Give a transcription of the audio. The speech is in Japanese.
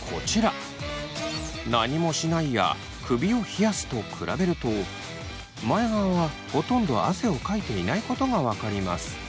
「何もしない」や「首を冷やす」と比べると前側はほとんど汗をかいていないことが分かります。